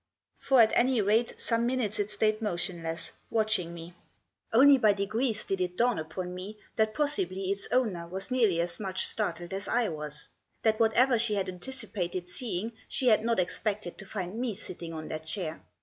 For at any rate some minutes it stayed motionless, watching me. Only by degrees did it dawn upon me that possibly its owner was nearly as much startled as I was ; that whatever she had anticipated seeing she had not expected to find me sitting on that chair.